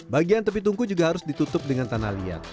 bagian tepi tungku juga harus ditutup dengan tanah liat